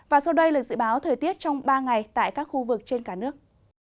và sau đây là dự báo thời tiết trong ba ngày tại các khu vực trên cả nước